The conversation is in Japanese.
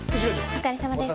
お疲れさまです。